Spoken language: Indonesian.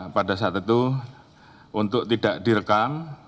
pada saat itu untuk tidak direkam